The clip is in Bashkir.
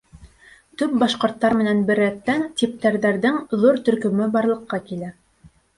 Төп башҡорттар менән бер рәттән типтәрҙәрҙең ҙур төркөмө барлыҡҡа килә.